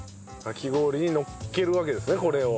かき氷にのっけるわけですねこれを。